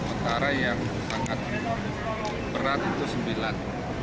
antara yang sangat berat itu sembilan